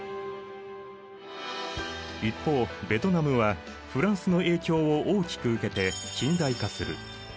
一方ベトナムはフランスの影響を大きく受けて近代化する。